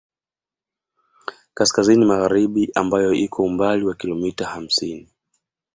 Kaskazini magharibi ambayo iko umbali wa kilomita hamsini